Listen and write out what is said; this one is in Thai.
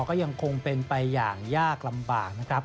ก็ยังคงเป็นไปอย่างยากลำบากนะครับ